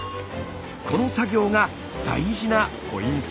この作業が大事なポイント。